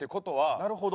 なるほど。